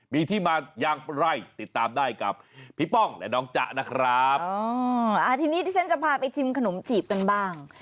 มีที่มาอย่างไรติดตามได้กับพี่ป้องและน้องจ๊ะนะครับทีนี้ที่ฉันจะพาไปชิมขนมจีบกันบ้าง